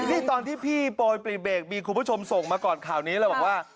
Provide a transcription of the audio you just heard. นี่ตอนที่พี่โปรยปรีเบรกมีคุณผู้ชมส่งมาก่อนข่าวนี้แล้วบอกว่า